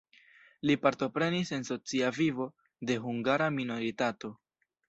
Li partoprenis en socia vivo de hungara minoritato.